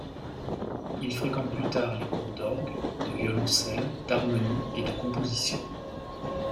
Il fréquente plus tard les cours d'orgue, de violoncelle, d'harmonie et de composition.